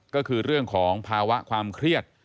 ก็คือเรื่องของภาวะความเครียด